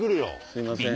すいません。